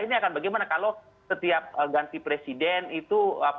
nah bagaimana kalau setiap ganti presiden itu terdekat